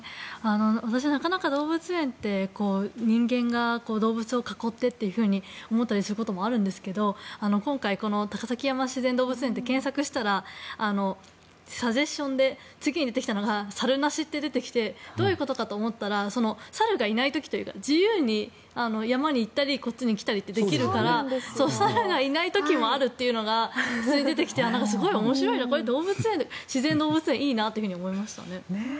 私、なかなか動物園って人間が動物を囲ってと思ったりすることもあるんですけど今回、この高崎山自然動物園って検索したら、サジェスチョンで次に出てきたのが猿なしと出てきてどういうことかと思ったら猿がいない時というか自由に山に行ったりこっちに来たりってできるから猿がいない時もあるというのが普通に出てきてすごい面白いな自然動物園いいなと思いましたね。